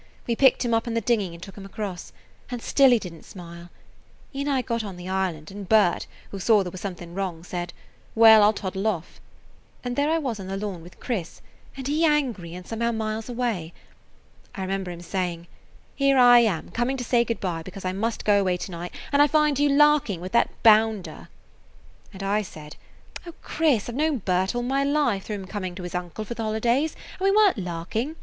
We picked him up in the dinghy and took him across, and still he did n't smile. He and I got on the island, and Bert, who saw there was something wrong, said, "Well, I 'll toddle off." And there I was on the lawn with Chris, and he angry and somehow miles away. I remember him saying, 'Here am I coming to say good by, because I must go away to night, and I find you larking with that bounder.' And I said: 'O Chris, I 've known Bert all my life through him coming to his uncle for the holidays, and we were n't larking.